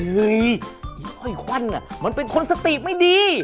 เฮ้ยอีกขวัญน่ะมันเป็นคนสติไม่ดี